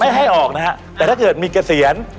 ให้ออกนะฮะแต่ถ้าเกิดมีเกษียณ